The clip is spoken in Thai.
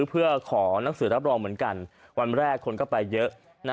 เพื่อขอหนังสือรับรองเหมือนกันวันแรกคนก็ไปเยอะ